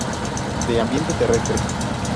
De ambiente terrestre.